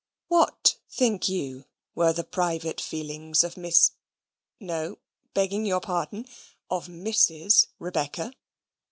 What think you were the private feelings of Miss, no (begging her pardon) of Mrs. Rebecca?